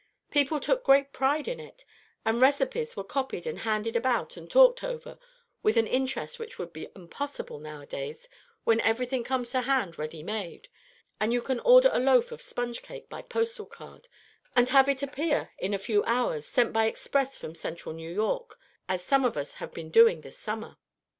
People took great pride in it; and recipes were copied and handed about and talked over with an interest which would be impossible now a days, when everything comes to hand ready made, and you can order a loaf of sponge cake by postal card, and have it appear in a few hours, sent by express from central New York, as some of us have been doing this summer."